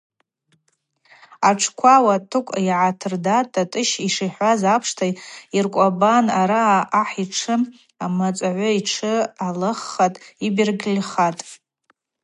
Атшква ауатыкв йгӏатардатӏ, Тӏатӏыщ йшихӏваз апшта йыркӏвабан араъа ахӏ йтши амацӏаугӏвы йтши алыххатӏ, йбергьыльхатӏ.